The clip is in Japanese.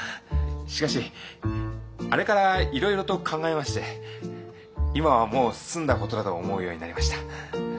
しかしあれからいろいろと考えまして今はもう済んだ事だと思うようになりました。